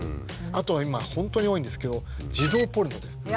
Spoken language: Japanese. あとは今本当に多いんですけど児童ポルノですね。